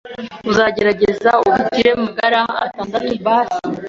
Uzagerageze ubigire Magana atandatu basi